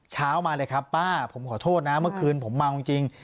เช้ามาเลยครับป้าผมขอโทษนะเมื่อคืนผมเมาจริง